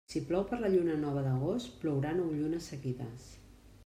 Si plou per la lluna nova d'agost, plourà nou llunes seguides.